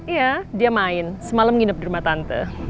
iya dia main semalam nginep di rumah tante